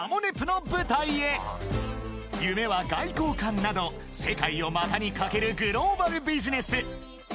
［夢は外交官など世界を股に掛けるグローバルビジネス］